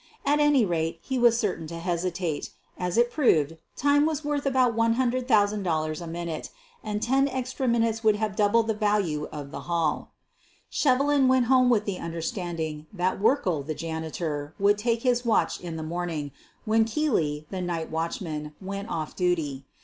At any rate he was certain to hesitate. As it proved, 160 SOPHIE LYONS time was worth about $100,000 a minute, and ten extra minutes would have doubled the value of the "haul." Shevelin went home with the understanding that Werkle, the janitor, would take his watch in the morning, when Keely, the night watchman, went off duty.